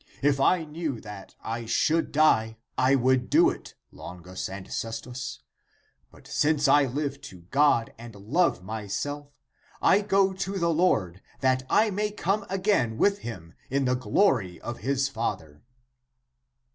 If I knew that I should die, I would do it, Longus and Cestus ; but since I live to God and love myself, I go to the Lord that I may come (again) with him in the glory of his Father."